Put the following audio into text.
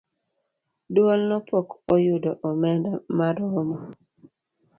Duolno pok oyudo omenda maromo